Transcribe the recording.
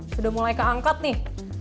sudah mulai keangkat nih